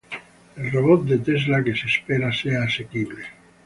el robot de Tesla que se espera sea asequible